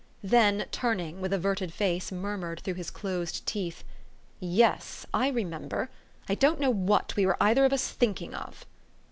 Then turning, with averted face murmured through his closed teeth, " Yes, I remember. I don't know what we were either of us thinking of!